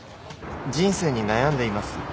人生に悩んでいます。